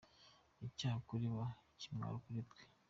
Icyaha kuri bo, Ikimwaro kuri twe.